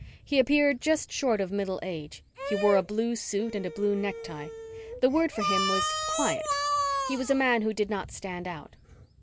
He appeared just short of middle age. He wore a blue suit and a blue necktie. The word for him was quiet. He was a man who did not stand out.